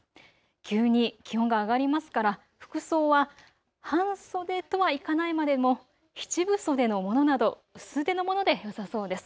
急に気温が上がりますから服装は半袖とはいかないまでも七分袖のものなど薄手のものでよさそうです。